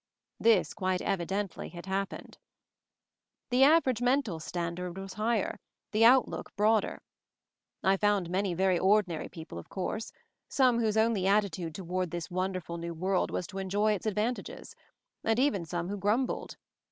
This quite evidently had happened. The average mental standard was higher, the outlook broader. I found many very ordinary people, of course ; some whose only attitude toward this wonderful new world was to enjoy its advantages; and even some who grumbled.